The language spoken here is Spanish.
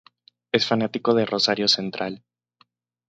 Es fanático de Rosario Central.